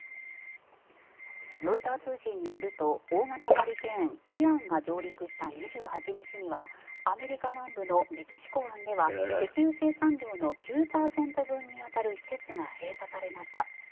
ロイター通信によると大型ハリケーン、イアンが上陸した２８日にはアメリカ南部のメキシコ湾では石油生産量の９％分に当たる施設が閉鎖されました。